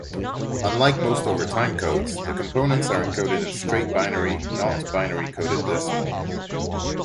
Unlike most other timecodes, the components are encoded in straight binary, not binary-coded decimal.